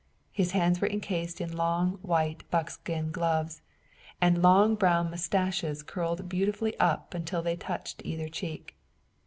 His hands were encased in long white buckskin gloves, and long brown mustaches curled beautifully up until they touched either cheek.